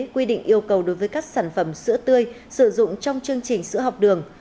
quy định yêu cầu đối với các sản phẩm sữa tươi sử dụng trong chương trình sữa học đường